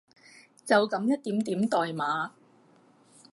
就噉一點點代碼